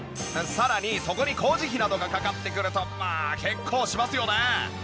さらにそこに工事費などがかかってくるとまあ結構しますよね。